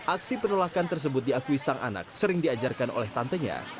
aksi penolakan tersebut diakui sang anak sering diajarkan oleh tantenya